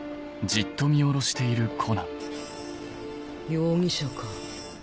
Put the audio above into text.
容疑者か？